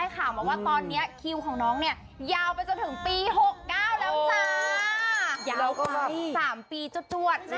ยาวไป๓ปีจวด